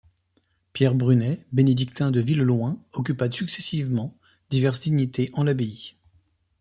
Pierre Brunet, bénédictin de Villeloin, occupa successivement, diverses dignités en l'abbaye.